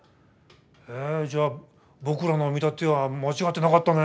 じゃあ僕らの見立ては間違ってなかったね！